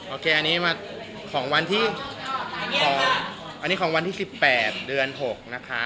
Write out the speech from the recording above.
โอเคอันนี้มาของวันที่อันนี้ของวันที่๑๘เดือน๖นะคะ